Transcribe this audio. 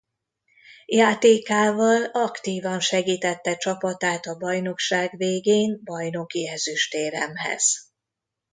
Játékával aktívan segítette csapatát a bajnokság végén bajnoki ezüstéremhez.